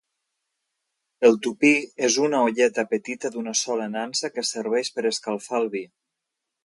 El tupí és una olleta petita d’una sola nansa que serveix per escalfar el vi.